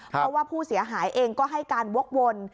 เพราะว่าผู้เสียหายเองก็ให้การวกวน